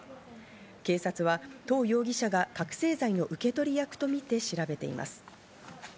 警察はトウ容疑者が覚醒剤の受け取り役とみて調べています。